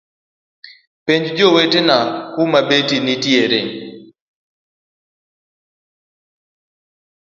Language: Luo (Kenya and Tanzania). Penj joweteni kuma beti nitiere.